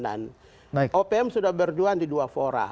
dan opm sudah berdua di dua fora